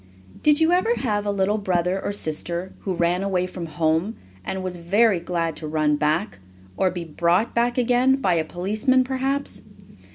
Did you ever have a little brother or sister who ran away from home, and was very glad to run back, or be brought back again, by a policeman, perhaps?